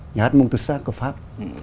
nhát mông tù sát của pháp